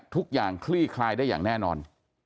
ทุกอย่างคลี่คลายได้อย่างแน่นอน